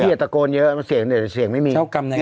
พี่อย่าตะโกนเยอะเสียงเหนือเสียงไม่มี